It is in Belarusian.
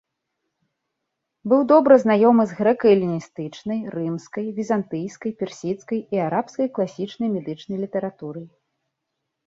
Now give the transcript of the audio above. Быў добра знаёмы з грэка-эліністычнай, рымскай, візантыйскай, персідскай і арабскай класічнай медычнай літаратурай.